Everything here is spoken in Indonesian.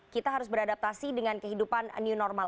kita harus beradaptasi dengan kehidupan new normal